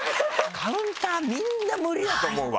カウンターみんな無理だと思うわ俺。